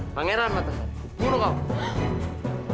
pangeran matahari kupunuh kamu